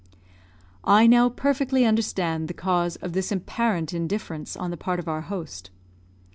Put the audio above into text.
I now perfectly understand the cause of this apparent indifference on the part of our host.